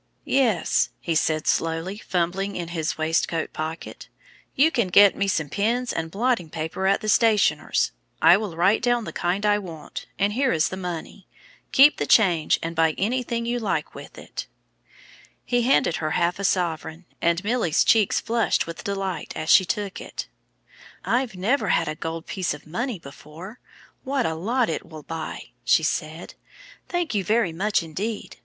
"Yes," he said, slowly fumbling in his waistcoat pocket; "you can get me some pens and blotting paper at the stationer's. I will write down the kind I want, and here is the money. Keep the change, and buy anything you like with it." Milly's cheeks flushed with delight as she took the money "What a lot it will buy!" she said. "Thank you very much indeed.